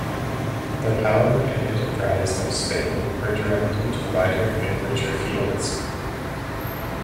The power and enterprise of Spain were directed to wider and richer fields.